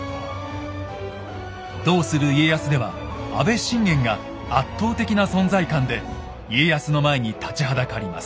「どうする家康」では阿部信玄が圧倒的な存在感で家康の前に立ちはだかります。